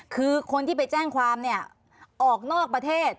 คือคนที่ไปแจ้งความเนี่ยออกนอกประเทศ